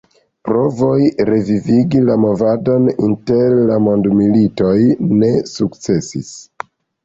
Provoj revivigi la movadon inter la Mondmilitoj ne sukcesis.